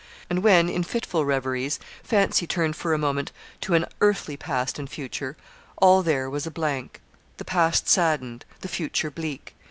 And when, in fitful reveries, fancy turned for a moment to an earthly past and future, all there was a blank the past saddened, the future bleak.